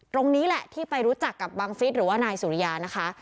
ตรงนี้แหละที่ไปรู้จักกับบังฟิศหรือว่านายสุริยานะคะ